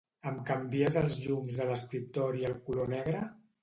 Em canvies els llums de l'escriptori al color negre?